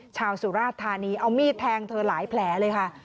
สุราชธานีเอามีดแทงเธอหลายแผลเลยค่ะ